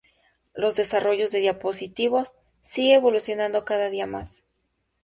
Los desarrollos de dispositivos sigue evolucionando cada día mas.